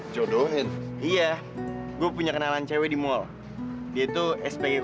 kenapa kakak menganggap dia sebagai temen baik